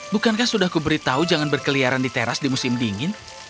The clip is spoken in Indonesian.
bukankah sudah kuberitahu jangan berkeliaran di teras di musim dingin